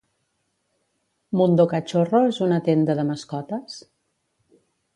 Mundocachorro és una tenda de mascotes?